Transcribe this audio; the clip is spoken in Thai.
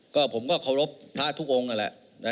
ก็ผมก็เคารพพระพุทธทุกองก็แหละ